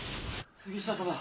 杉下様！